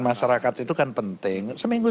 masyarakat itu kan penting seminggu